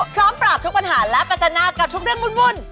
พร้อมปราบทุกปัญหาและประจันหน้ากับทุกเรื่องวุ่น